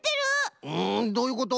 うんどういうこと？